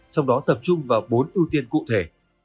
trong đó tập trung vào bốn ưu tiên cụ thể